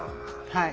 はい。